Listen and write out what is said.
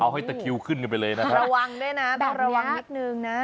เอาให้แต่เคียวขึ้นกันไปเลยนะฮะระวังด้วยนะแบบเมียรัวว่านิกนึงนะ